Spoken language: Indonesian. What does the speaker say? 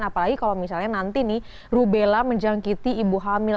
apalagi kalau misalnya nanti nih rubella menjangkiti ibu hamil